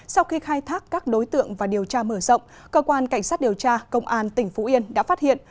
sau khi khai thác các đối tượng và điều tra mở rộng cơ quan cảnh sát điều tra công an tỉnh phú yên đã phát hiện